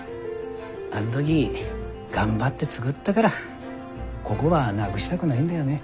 あん時頑張って作ったがらこごはなぐしたぐないんだよね。